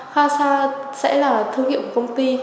khasa sẽ là thương hiệu của công ty